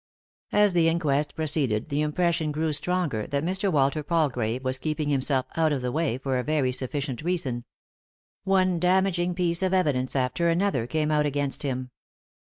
As the inquest proceeded the impression grew stronger that Mr. Walter Palgrave was keeping him self out of the way for a very sufficient reason. One damaging piece of evidence after another came out against him.